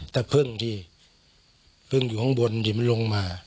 แต่พึ่งที่พึ่งอยู่ข้างบนที่มันลงมา